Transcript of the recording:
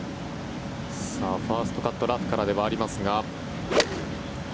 ファーストカットラフからではありますが。